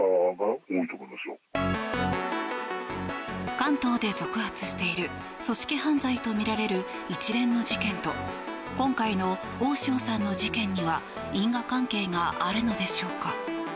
関東で続発している組織犯罪とみられる一連の事件と今回の大塩さんの事件には因果関係があるのでしょうか。